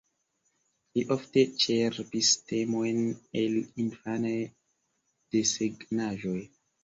Li ofte ĉerpis temojn el infanaj desegnaĵoj.